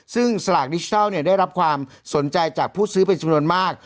ซึ่งสลากดิจิทัลได้รับความสนใจจากผู้ซื้อเป็นจำนวนมาก